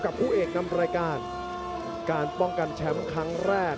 ผู้เอกนำรายการการป้องกันแชมป์ครั้งแรก